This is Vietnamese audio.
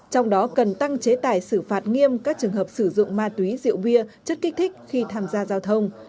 trong đó cần tăng chế tài xử phạt nghiêm các trường hợp sử dụng ma túy rượu bia chất kích thích khi tham gia giao thông